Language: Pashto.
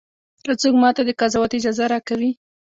که څوک ماته د قضاوت اجازه راکوي.